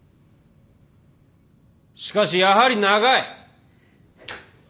しかしやはり長い。